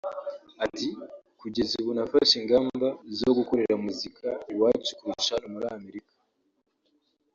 Ati “ Kugeza ubu nafashe ingamba zo gukorera muzika iwacu kurusha hano muri Amerika